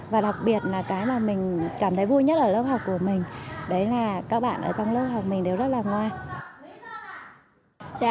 và đặc biệt là cái mà mình cảm thấy vui nhất ở lớp học của mình đấy là các bạn ở trong lớp học mình đều rất là ngoan